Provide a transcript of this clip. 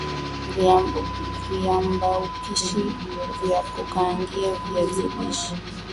Viambaupishi vya kukaangie viazi lishe